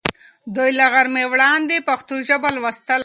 دوی له غرمې وړاندې پښتو ژبه لوستله.